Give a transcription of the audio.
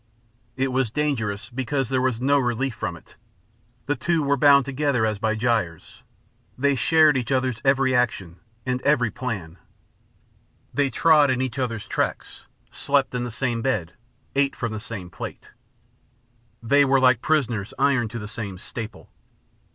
It was dangerous because there was no relief from it: the two were bound together as by gyves; they shared each other's every action and every plan; they trod in each other's tracks, slept in the same bed, ate from the same plate. They were like prisoners ironed to the same staple.